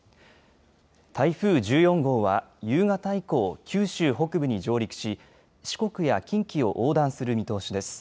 台風１４号は夕方以降、九州北部に上陸し、四国や近畿を横断する見通しです。